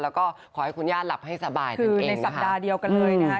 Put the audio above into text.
แล้วก็ขอให้คุณย่าหลับให้สบายนั่นเองในสัปดาห์เดียวกันเลยนะคะ